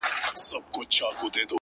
ځوان د سگريټو تسه کړې قطۍ وغورځول،